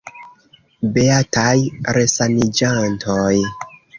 Beataj resaniĝantoj.